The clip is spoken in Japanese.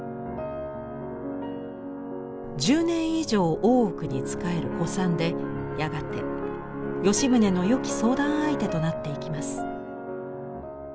１０年以上大奥に仕える古参でやがて吉宗のよき相談相手となっていきます。